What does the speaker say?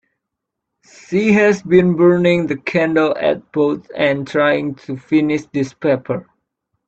She has been burning the candle at both ends trying to finish this paper.